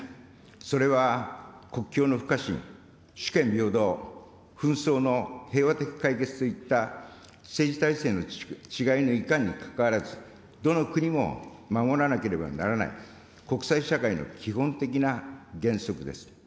それは国境の不可侵、主権平等、紛争の平和的解決といった、政治体制の違いのいかんにかかわらず、どの国も守らなければならない国際社会の基本的な原則です。